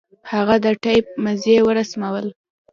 هغه د ټېپ مزي ورسمول.